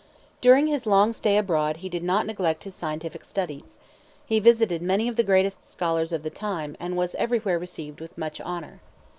During his long stay abroad he did not neglect his scientific studies. He visited many of the greatest scholars of the time, and was everywhere received with much honor.